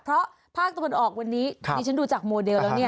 เพราะภาคตะวันออกวันนี้ดิฉันดูจากโมเดลแล้วเนี่ย